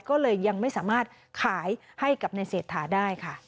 ก็เลยยังไม่สามารถขายให้กับในเศรษฐาได้ค่ะ